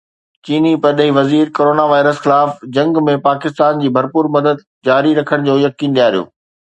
چيني پرڏيهي وزير ڪورونا وائرس خلاف جنگ ۾ پاڪستان جي ڀرپور مدد جاري رکڻ جو يقين ڏياريو